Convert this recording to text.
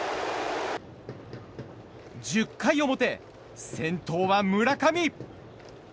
１０回表、先頭は村上。